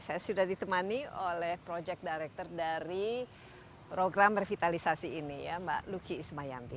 saya sudah ditemani oleh project director dari program revitalisasi ini ya mbak lucky ismayanti